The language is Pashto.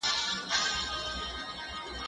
زه به موبایل کار کړی وي!؟